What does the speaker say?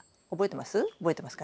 覚えてます？